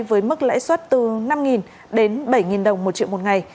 với mức lãi suất từ năm đến bảy đồng một triệu một ngày